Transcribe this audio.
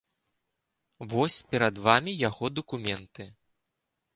Вось перад вамі яго дакументы.